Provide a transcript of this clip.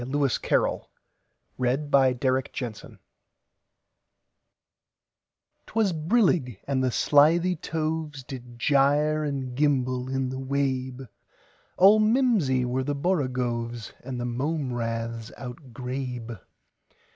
Lewis Carroll 1832–98 Jabberwocky CarrollL 'T WAS brillig, and the slithy tovesDid gyre and gimble in the wabe; All mimsy were the borogoves, And the mome raths outgrabe.